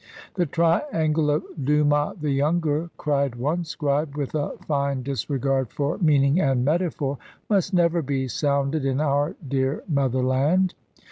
"The triangle of Dumas the younger," cried one scribe, with a fine disregard for meaning and metaphor, "must never be sounded in our dear Motherland!"